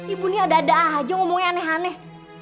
ibu nih ada dada aja ngomongnya aneh aneh